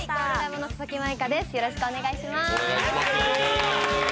よろしくお願いします。